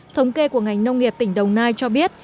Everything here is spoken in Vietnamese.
thống kê của ngành nông nghiệp tỉnh đồng nai cho biết